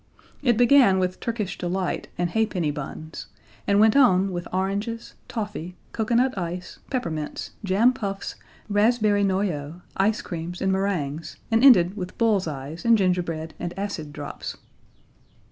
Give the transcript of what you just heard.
It began with Turkish delight and halfpenny buns, and went on with oranges, toffee, coconut ice, peppermints, jam puffs, raspberry noyeau, ice creams, and meringues, and ended with bull's eyes and gingerbread and acid drops.